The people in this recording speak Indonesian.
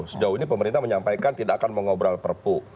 sejauh ini pemerintah menyampaikan tidak akan mengobrol perpu